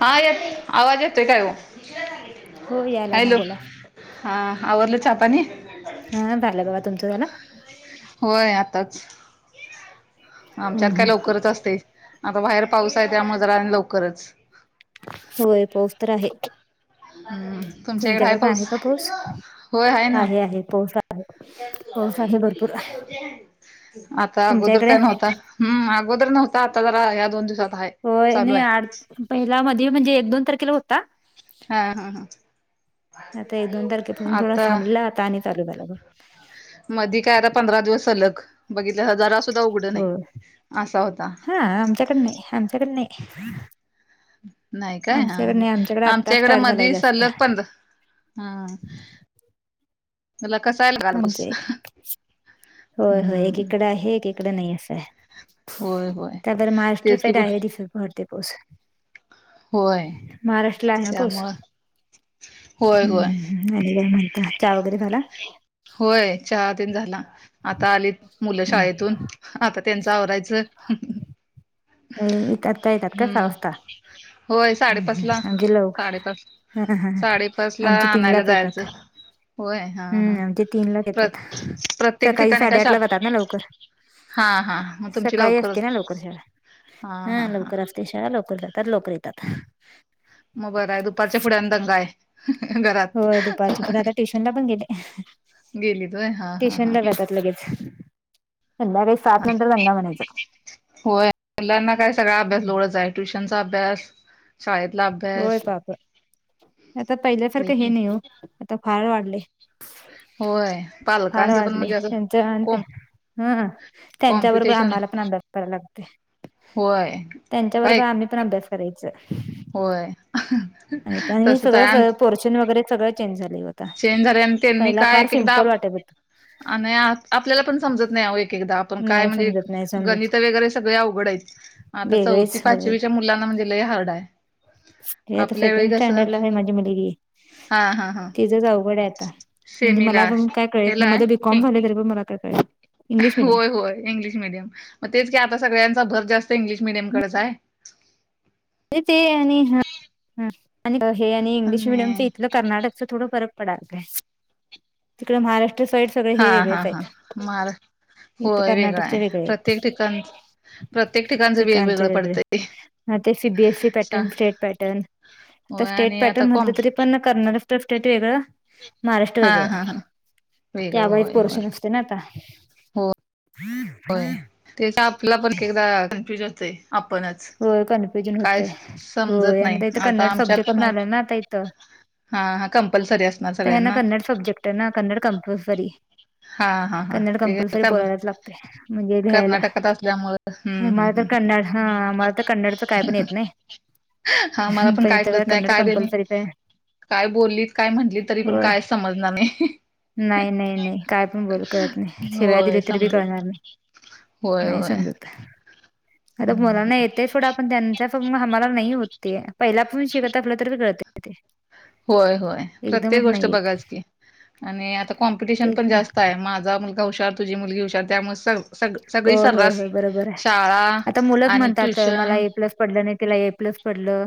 हा येतो आवाज येतोय काय ओ? हो यायलाय ना बोला हा आवरलं चहा पाणी हा झाला बघा तुमचा झाल होय आताच आमच्यात हम्म काय हम्म. लवकरच असतय. आता बाहेर पाऊस आहे त्यामुळ जरा आणि लवकरच होय पाऊस तर आहे हम्म, तुमच्या इकडे तुमच्याकड पण आहे का पाऊस होय ना आहे आहे पाऊस तर पाऊस आहे पौस आहे भरपूर आता तुमच्या अगोदर इकडे काय नव्हता हम् अगोदर नव्हता आता जरा या दोन दिवसात हाय हो आणि आठ पहिला मधी म्हणजे एक दोन तारखेला होता हा हा हा आता एक दोन तारखे पुडून थोडा आता थांबलेला आता आणि चालू झाला बघ मधी काय आता पंधरा दिवस सलग बघीतलासा जरा सु हो हा आमच्याकडं नाही. आमच्याकडं नाही. नाही काय हा आमच्याकडे ह नाही आमच्याकडे आत्ता आमच्या इकडे स्टार्ट झालाय मधी जास्त सल्लग पंन्द हम मला कसांयल म्हजे होय होय हम्म एकीकड आहे एकीकड नाही असं आहे. होय होय त्या बर मास्र तेच की पेड गो आहे तिथे पडते पाऊस होय महाराष्ट्रला आहे पाऊस त्यामुळं होय हम्म होय हम्म हम्म आणि काय म्हणता चहा वगैरे झाला होय चहा तेन झाला आता आलीत मुलं हम्म शाळेतून आता त्यांच आवरायचं हम्म करता येतात का सा हम्म वासता होय साडेपाच ला [unintelligible] अगदी लवकर साडेपाच हा साडेपाच हा ला आमचे तीन आणायला लाच येतात जायचं होय हा हा हम्म आमचे तीनला प्र येतात प्रत्येक सकाळी ठिकाणी का साडेआठ ला शाळा जतात ना लवकर हा हा मग तुमची सकाळी असते लवकरच ना लवकर शाळा हा लवकर असते शाळा लवकर जातात लवकर येतात मग बरं आहे दुपारच्या पुढ आणि दंगा आहे घरात होय दुपारच्या पुढ आता ट्युशनला पण गेले गेलीत होय हा हा हा ट्युशनला जातात लगेच संध्याकाळी सात नंतर दंगा म्हणायचा होय मुलांना काय सगळा अभ्यास लोडच आहे ट्युशनचा अभ्यास शाळेतला होय अभ्यास बाप आता पहिल्यासारख हे ते नाही ओ आता फार वाढलय होय फार पालकांचं पण वाढलय म्हणजे असं त्यांच्या आणि ते कॉम हम त्यांच्याबरोबर कॉम्पिटिशन आम्हाला पण अभ्यास करायला लागतेय होय काय पण अभ्यास करायच होय- आणि तसच आहे सगळ सगळ पोरशन वगैरे सगळं चेंज झालय व चेंज झालय आणि त्यांनी काय एकेकदा वाटत होत आणि आपल्याला पण समजत नाही आवो एकेकदा आपण काय नाही म्हणजे समजत नाही समजत गणित वगैरे सगळे अवघडा आहेत आता चौथी वेगळेच पाचवीच्या मुलांना म्हणजे लय हार्ड आहे. हे आता आपल्या वेळी सेकंड कसं स्टँडर्ड ला माझी मुलगी हा हा हा तिझच अवघड आहे आता म्हणजे मला सेमीला आजुन काय कळेल ना हेला माझं बीकॉम आहे झालं तरी पण मला काय कळेना होय होय इंग्लिश मिडियम मग तेच की आता सगळ्यांचा भर जास्त इंग्लिश मिडियमकडच आहे. ते आणि हं हं हे आणि इंग्लिश मिडियम इथलं कर्नाटक थोड फरक पडाय लागलायं. तिकड महाराष्ट्र साईडच- - हा, हा, हा. महाराष्ट्र इथं होय. वेगळ कर्नाटकचे हाय. वेगळे आहेत प्रत्येक ठिकाण प्रत्येक ठिकाणच चिकाणचे वेगवेगळं वेगळे पडतंय ते. हा ते सीबीएससी पॅटर्न, स्टेट पॅटर्न आता होय स्टेट आणि आता पॅटर्न कॉम म्हटलं तरी पण कर्नाटकस्टेट वेगळं महाराष्ट्र हां, वेगळ हां, हां. त्या वेगळं वेळीच होय, पोर्शन नसतय ना आता. होय. [inaudible] होय. तेच आपल्याला पण एकेकदा कन्फ्युज होतय. आपणच होय कन्फ्युजन काय होते समजत होय नाही. आणि इथं आता कन्नड आमच्यात सब्जेक्ट पण नाही. आला ना आता इथं हा, हा. कंपल्सरी असणार सगळ्यांना. सबजेक्ट ना कन्नड कंपलसरी. हां, हां, हां. कन्नड ते कंपल्सरी कर बोलायलाच लागतयं, म्हणजे घ्यायला. कर्नाटकात असल्यामुळं हं, हं, मला तर हं. कन्नड हा आ मला तर कन्नडचं काय पण येत नाही. हा मला पण इथं काय [unintelligible] कन्नड काय देणे. कंपल्सरीच आहे काय बोललीत. काय म्हटली, तरी पण होय काय समजणार नाही. नाही, नाही, नाही. काय पण बोल करत नाही. शिवया होय दिली तरी बी कळणार समजत नाही. होय नाही होय समजत. आता मुलांना येतय सोडा पण त्यांचा [unintelligible] आम्हाला नाही होत ते. पहिला पासून शिकव असलं तरचं कळतयं. होय, होय. एकदमच प्रत्येक गोष्ट नाही येत बघाच की. आणि आता कॉम्पिटिशन तेच पण ना जास्त हाय. माझा मुलगा हुशार, तुझी मुलगी हुशार त्यामुळे सग सगळी होय, होय, सर्रास होय. बरोबर हाय. शाळा आता मुलं आणि म्हणतात मला ट्युशन ए प्लस पडल नाही. तिला ए प्लस पडलं.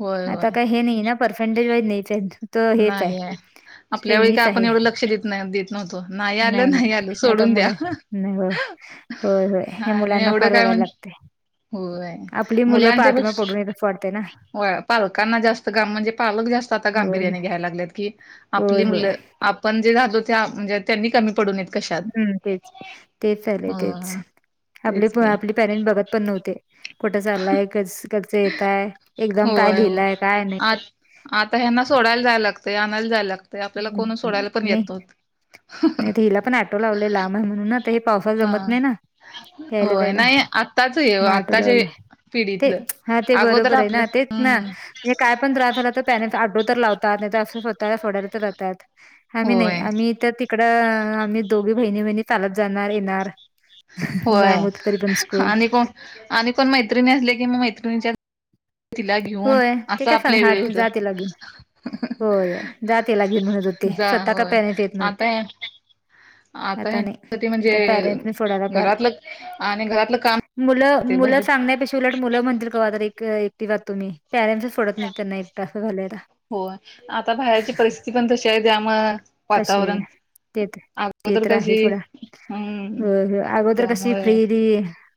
होय आता होय काय हे नाही ना पर्सेंटेज वाईस नाईच हाय हेचं. नाही हाय. आपल्या वेळी काय आपण आहे एवढं लक्ष देत नाही देत नव्हतो नाही आलं-नाही आलं नाही आता सोडून द्या. मुलं नाही हो. होय, होय. हे आणि मुलांना एवढं फार काय बगायला म्हण लागतय. होय आपली मुलं मुलांच्या पाठीमाग पेक्षा पडू नयेत अस वाटतयं ना. होय. पालकांना जास्त गाम म्हणजे पालक जास्त आता गाम - - होय. बिर्याने घ्याय लागल्यात कि आपली होय होय मुलं आपण जे राहतो त्यां म्हंजी त्यांनी कमी पडू नयेत. हम्म तेच तेच चाले तेच हो आपले तेच की आपली पॅरेंट बघत पण नव्हते. कुठं चाललाय? कस कसं येताय? एक्झाम काय होय होय लिहिलंय काय आ नाही. आता ह्यांना सोडायला जाययं लागतय. आणयला जाययं लागतयं. ते आपल्याला हम्म, कोण सोडायला पण येत नव्हत. तिला पण ऑटो लावलयं लांब हाय म्हणून ना. आता हे पावसात जमत हा नाही ना. यायला होय जायला. नाही आत्ताच हे मग ऑटो आत्ताच्या लावलयं. ते पिढीतलं हा ते अगोदर बरोबर हे आपलं ना तेच ना. हम्म हे काय पण त्रास झाला तर पॅरेंट ऑटो तर लावतात. नाही तर अस स्वतःला सोडा यला जातात. आम्ही नाही होय आम्ही इथं ती इकडं आम्ही दोघी बहिणी-बहिणी चालत जाणार येणार. होय लांब होत तरी पन स्कूल. आणि कोण आणि कोण मैत्रिणी असले की मग मैत्रिणीच्या तिला घेऊन होय ते असं काय आपल्या संग हाय वेळ होतं जा तिला घेऊन. होय. जा तिला घेऊन म्हणत होते. जा स्वतः का होय पॅरेंट येत नव्हते. आता आता नाही ह्याच्यासाठी आता म्हणजे पॅरेंट्सने सोडायला घरातलं आणि घरातलं काम ते मुलं-मुलं भले सांगण्यापेक्षा उलट मुलं म्हणतील कवा तर एक - - एकट जातो मी. पॅरेंटसच सोडत नाही. त्यांना एकटा असं झालाय आता. होय. आता बाहेरची परिस्थिती पण तशी हाय. त्यामुळ वातावरण. तेत ते अगोदर तर आहे कशी सोडा हम्म अगोदर कशी त्यामुळे फ्रीली.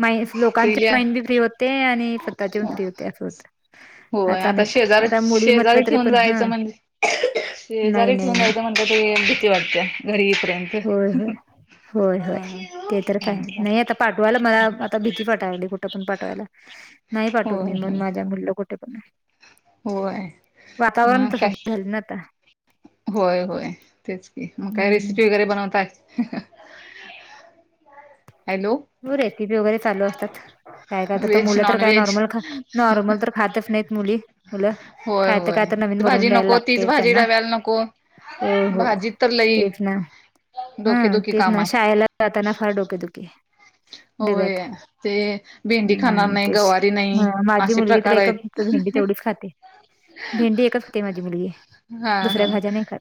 माइंड लोकांची पहिल्या माइंड बी फ्री होते आणि स्वतःची फ्री होते अस होत. होय आता नाही आता मुली म्हटलं शेजारी-शेजारी तरी ठेऊन पण हा जायचं म्हणजे नाही शेजारी नाही ठेऊून नाही जायचं म्हणजे घरी याला भीती वाटत्या घरी येईपर्यंत होय-होय-होय-होय ते तर काय हम्म. नाही आता पाठवायला मला आता भीती वाटायला कुठ पण पाठवायला नाही पाठवत मी होय होय मुलीला कुठे पण होय वातावरण तसच झालं ना आता होय-होय-तेच की मग काय हम्म रेसिपी वगैरे बनवताय हॅलो त रेसिपी वगैरे चालू असतात. काय करता तर व्हेज मुलं तर नॉन काय व्हेज नॉर्मल खा नॉर्मल तर खातच नाहीत मुली मुलं होय काय तर-काय होय तर नवीन बनवून भाजी द्यायला नको तीच लागते भाजी त्यांना डब्याला नको हो हो भाजीत तर लई तेच ना ह डोकेदुखी तेच काम ना आहे शाळेला जातताना फार डोके दुखे डब्यात होय ते भेंडी खाणार हम्म नाही तेच गवारी नाही माझी असे मुलगी तर प्रकार एकच आहेत तर भेंडी तेवढीच खाते भेंडी एकच होातते माझी मुलगी हा दुसऱ्या हा भाज्या नाही खात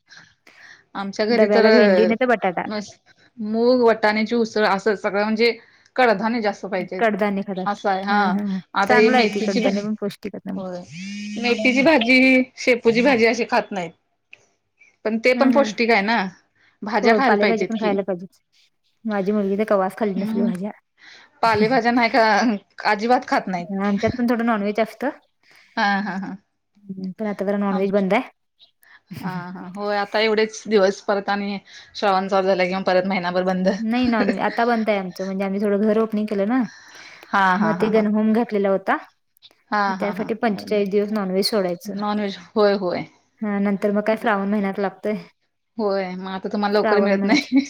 आमच्या घरी तर डब्याला भेंडी नाही तर बटाटा मस्त मूग वटाण्याची उसळ असं सगळं म्हणजे कडधान्ये जास्त पाहिजे कडधान्य खातात असं आहे हा ह आता ही चांगलं आहे की मेथीची कडधान्य भाजी पण पौष्टिक आहेत ना मग होय मेथीची भाजी शेपूची भाजी अशी खात नाहीत. पण ते ह पण ह पौष्टिक आहे ना भाज्या हो खायला पालेभाजी पाहिजेत पण की खायला पाहिजेच माझी मुलगी तर कवास खाल्ली नसली हम्म भाज्या पालेभाज्या नाही का अजिबात खात नाहीत आमच्यात पण थोडं नॉन व्हेज असत हा हा हा ह प्र हा हा हो आ आता एवढेच दिवस परत आणि श्रावण चालू वर झाला किंवा परत महिनाभर बंद बनताय आमच म्हणजे आम्ही थडंर रोपणी केलं ना मग हा ते हा गन हा होम घातलेला होता हा हा हा त्यासाठी बंद पंचेचाळीस दिवस नॉनव्हेज सोडायचं, नॉन व्हेज होय होय हां नंतर म काय श्राव द महिनत लागतते होय मग आता तुम्हाला लवकर मिळत नाही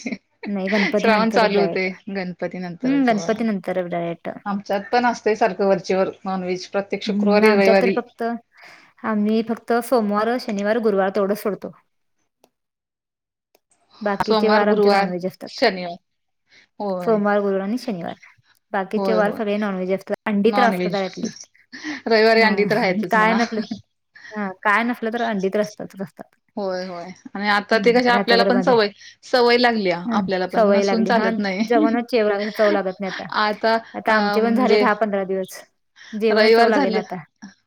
नाही गणपती श्रावण नंतरच चालू होते डायरेक्ट गणपती नंतर हम्म जवळ गणपती नंतरच डायरेक्ट आमच्यात पण असते सारखं वरचेवर नॉनव्हेज प्रत्येक हम्म शुक्रवारी आमच्यात तर रविवारी फक्त आम्ही फक्त सोमवार शनिवार गुरुवार तेवढं सोडतो बाकीचे सोमवार वार आमचे गुरुवार नॉनव्हेज असते शनिवार होय सोमवार गुरुवार आणि शनिवार बाकीचे होय वार होय सगळे नॉनव्हेज असतात अंडी त्रास नॉनव्हेज करतात ऍटलिस्ट रविवारी ह अंडी तर राहायचंच काय म्हणा न आप ह काय नसलं तर अंडीत असतातच असतात होय होय आणि आता ते कसे आपल्याला पण सवय सवय लागली हा आपल्याला पण सवय नसून लागली हा चालत नाही जेवण जे़वण चव लागत नाही आता अ आता आमचे पण झाले म्हणजे दहा पंधरा दिवस जेवण चव लागे ना आता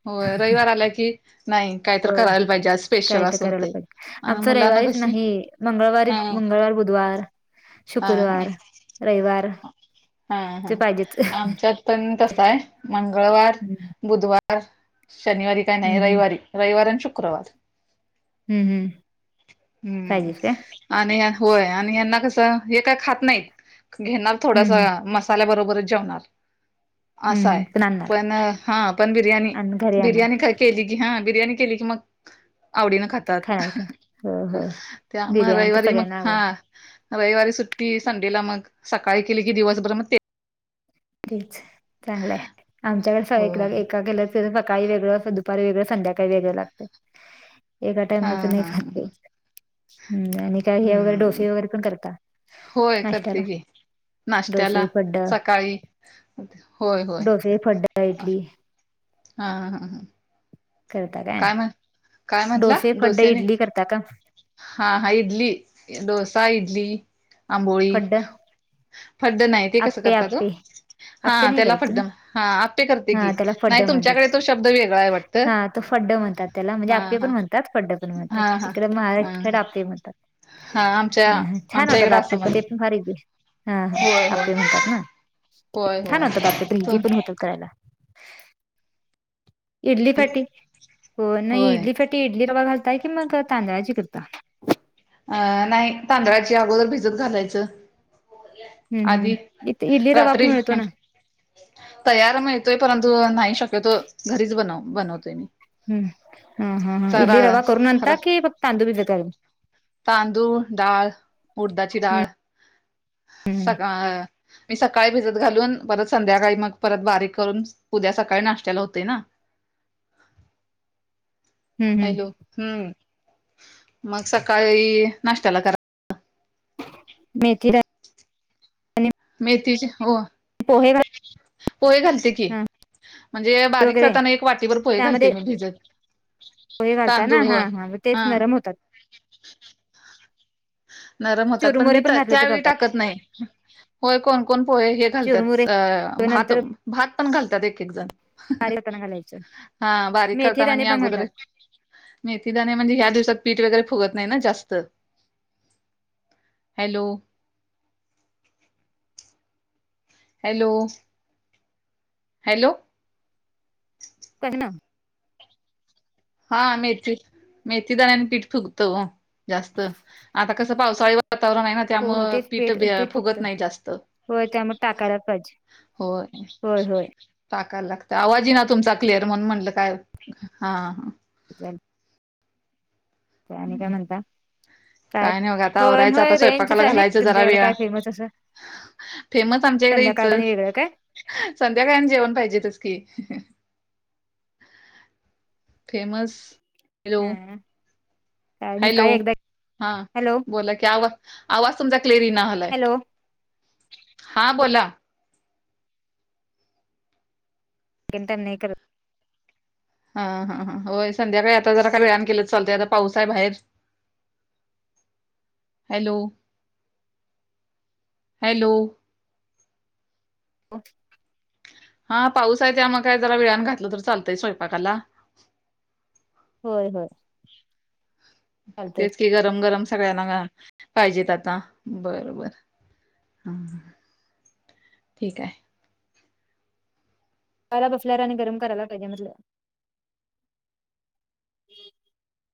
हो रविवार आला की नाही कायत करायला पाहिजे आज स्पेशल असं करायला होतंय आमच्या आणि तर मुलांना रविवारीच कशी नाही मंगळवारी हा मंगळवार बुधवार हा हा शुक्रवार रविवार ते पाहिजे तसाय मंगळवार हम्म बुधवार शनिवारी काय नाही हं. रविवारी रविवार आणि शुक्रवार ह ह काहिजस का हम्म आणि होय आणि हना कसं हे काय खात नाहीत घेणार हं, थोडासा हं. मस्त आल्यावर बरोबर जेवणार असा आहे ह नाद पण हा पण बिर्याणी बिर्याणी आणणार. खाईन केली की हां बिर्याणी केली की मग आवडीनं खा तात खाणार का? हो, हो. त्यामुळं बिर्याणी तर रविवारी मग सगळ्यांना आवडते. हां रविवारी सुट्टी संडेला मग सकाळी केली की दिवसभर मग ते तेच चांगलंय आमच्याकडं सगळीकडं होय एक केलं तर सकाळी वेगळं असं दुपारी वेगळं संध्याकाळी वेगळं लागतयं. एका हा टाइमाला त नाही हा खात ते ह हम्म आणि काय हे वगैरे हम्म डोसे वगैरे पण करता? होय करते नाश्त्याला? की ना नाश्त्याला डोसे, फड्ड, सकाळी होय होय. तेे फड्डा इडली. हां हां. करता काय? डोसे फड्डे इडली करता का? हां हा इडली डोसा इडली आंबोळी. फड्ड, फड्ड नाही ते कसं आप्पे, करतात हो? आप्पे हा आप्पे नाही त्याला करत तुम्ही? फड्डम हा आप्पे करते कि हा त्याला फड्ड नाही म्हणतात. तुमच्याकडे तो शब्द वेगळा आहे वाट हा तं फड्ड म्हनतात त्याला म्हणजे आप्पे पण म्हनतात फड्ड पण म्हनतात हा हा तिकडे मा हा महाराष्ट हा कडं आप्पे म्हनतात. हा आमच्या हां हां छान आमच्या होतात इकडं आप्पे असं म्हण पण ते पण भारी डिश. हां हा होय होय आपे म्हणतात ना होय छान होय होतात आप्पे प्रिझी तुम पण होतात. करायला इडली साटी हो नाही होय इडली चट ते इडली रवा घलताय कि मग तांदळाची करता? अं नाही तांदळाची अगोदर भिजत घालायचं. हम्म आधीच हम्म इथ इडली रवा पण रात्री? मिळतो ना तयार माळतोय परंतु नाही शक्यतो घरीच बनव बनवतोय. हम्म हा हा हा इडली सरा रवा करून आणता कि फक्त तांदूळ भिजत घाल तांदूळ डाळ उडदाची डाळ हम्म सगळा मी सकाळी भिजत घालून परत संध्याकाळी मग परत बारीक करून उद्या सकाळी नाश्त्याला होतयं ना. [inaudible] हम्म हम्म हॅलो. हम्म मग सकाळी नष्ट्याला करा मेथिदा मेथीचे हो पोहे घाल पोहे घालते कि. हा म्हणजे बारीक वगैरे करताना एक वाटीभर पोहे घालते त्यामध्ये मी भिजत. पोहे घालता ना तांदूळ हां होय हां म तेच हा नरम होतात. नरम होतात पण चुरमुरे मी त घातले तर त्यावेळी चालतात टाकत नाई होय कोण कोण पोहे हे चुरमुरे घालत्यात अ भात नंतर भात पण घालत्यात एक एक दा. बारीक करताना घालायचं हा बारीक मेथी करताना दाणे मी पण आगदर घालतात मेथीदाणे म्हणजे ह्या दिवसात पीठ वगैरे फुगत नाही ना जास्त हॅलो. Hello, hello. करिन ना. [unintelligible] हा मेथी मेथी दाण्यानं आणि पीठ फुगतं हो जास्त आता कसं पावसाळी वा वातावरण आहे ना हो हो त्यामुळं तेच पीठ फक्त फुगत नाही जास्त. होय त्यामुळं टाकायला पाहिजे. होय. होय होय टाकायला लागत आवाज इना तुमचा क्लिअर म्हणून म्हणलं काय हा हा. [unintelligible] ते आणि काय म्हणता? काय कॅप नाही बघा आता होय आवरायचं आता होय स्वयंपाकाला रेंजचाली घालायचं जरा तुमच्याकडं वेळ काय फेमस असं? फेमस आमच्याकडे हिच संध्याकाळ आणि वेगळं काय? संध्याकाळी आणि जेवण पाहिजेतंच कि. फेमस. हॅलो हम हं काय मीच काय एकदा हां हॅलो बोला की आवा आवाज तुमचा क्लीअर इना झालाय. हॅलो हा बोला. तेन तर नाय करत. हा हा हा होय संध्याकाळी आता जरा का [unintelligible] केलं चालतय आता पाऊस आहे बाहेर. Hello hello. [unintelligible] हा पाऊस आहे त्या मग काय जरा वेळान घातलं तर चालतंय स्वयपाकाला. होय होय चालतय. तेच की गरम गरम सगळ्यांना घा पाहिजेत आता बरोबर. हा ठीक हाय. [unintelligible] बसल्यावर आणि गरम करायला पाहिजे म्हटलं. [unintelligible]